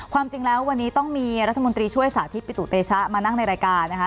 ความจริงแล้ววันนี้ต้องมีรัฐมนตรีช่วยสาธิตปิตุเตชะมานั่งในรายการนะคะ